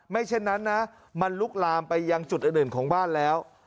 เช่นนั้นนะมันลุกลามไปยังจุดอื่นของบ้านแล้ว